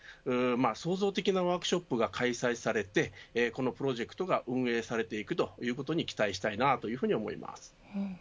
創造的なワークショップが開催されてこのプロジェクトが運営されていくということに期待したいなというふうに思います。